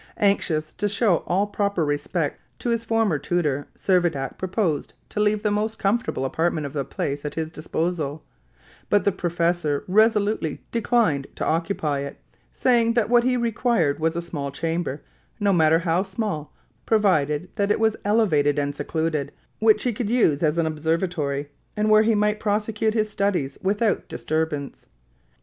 Anxious to show all proper respect to his former tutor, Servadac proposed to leave the most comfortable apartment of the place at his disposal; but the professor resolutely declined to occupy it, saying that what he required was a small chamber, no matter how small, provided that it was elevated and secluded, which he could use as an observatory and where he might prosecute his studies without disturbance.